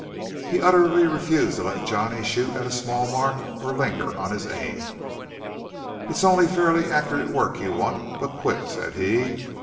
He utterly refused to let Johnny shoot at a small mark or linger on his aim. "It's only fairly accurate work you want, but quick," said he.